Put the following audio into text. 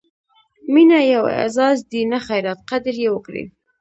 مینه یو اعزاز دی، نه خیرات؛ قدر یې وکړئ!